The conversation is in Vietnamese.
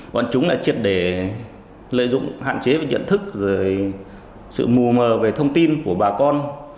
bọn chúng là triệt để lợi dụng hạn chế và nhận thức về sự mù mờ về thông tin của bà con